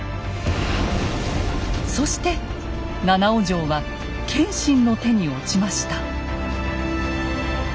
そして七尾城は謙信の手に落ちました。